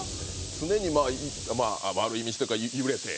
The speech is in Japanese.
常に悪い道とか、揺れて。